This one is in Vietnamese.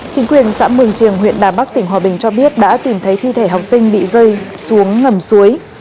chính quyền xã mường triềng huyện đà bắc tỉnh hòa bình cho biết đã tìm thấy thi thể học sinh bị rơi xuống ngầm suối